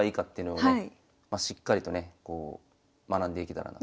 しっかりとね学んでいけたらなと。